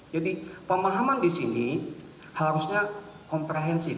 jadi pemahaman disini harusnya komprehensif